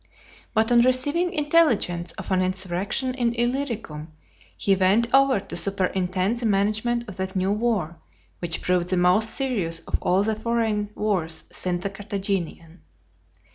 But on receiving intelligence of an insurrection in Illyricum , he went over to superintend the management of that new war, which proved the most serious of all the foreign wars since the Carthaginian.